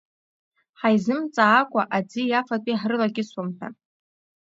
Ҳаизымҵаакәа аӡи афатәи ҳрылакьысуам ҳәа.